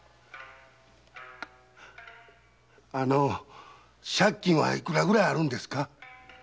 あの借金はいくらぐらいあるんですか？